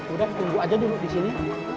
udah tunggu aja dulu di sini